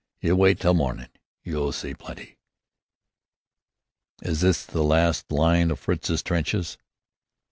You wite till mornin'. You'll see plenty." "Is this the last line o' Fritzie's trenches?"